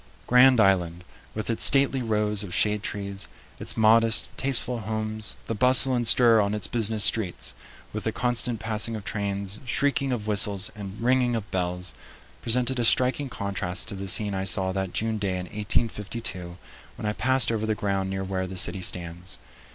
Grand Island, with its stately rows of shade trees, its modest, tasteful homes, the bustle and stir on its business streets, with the constant passing of trains, shrieking of whistles, and ringing of bells, presented a striking contrast to the scene I saw that June day in 1852 when I passed over the ground near where the city stands.